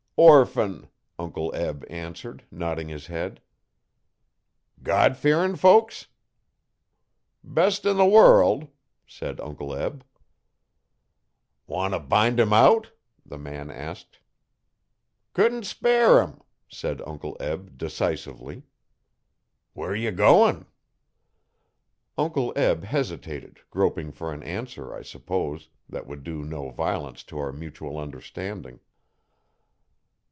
'Orphan,' Uncle Eb answered, nodding his head. 'God fearin' folks?' 'Best in the world,' said Uncle Eb. Want t' bind 'im out?' the man asked. 'Couldn't spare 'im,' said Uncle Eb, decisively. 'Where ye goin'?' Uncle Eb hesitated, groping for an answer, I suppose, that would do no violence to our mutual understanding.